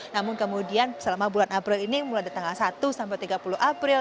namun kemudian selama bulan april ini mulai dari tanggal satu sampai tiga puluh april